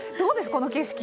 この景色。